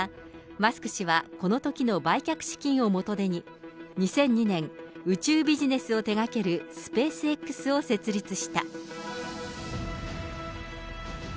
この会社は後に買収されたが、マスク氏はこのときの売却資金を元手に、２００２年、宇宙ビジネスを手がけるＳｐａｃｅＸを設立した。